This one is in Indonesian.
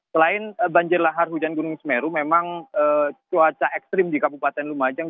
selain banjir lahar hujan gunung semeru memang cuaca ekstrim di kabupaten lumajang